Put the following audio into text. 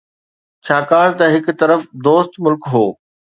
ڇاڪاڻ ته هڪ طرف دوست ملڪ هو.